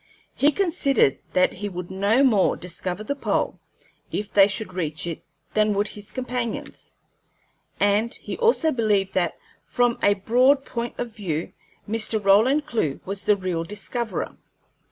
He considered that he would no more discover the pole, if they should reach it, than would his companions; and he also believed that, from a broad point of view, Mr. Roland Clewe was the real discoverer.